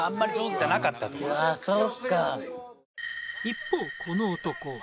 一方この男は。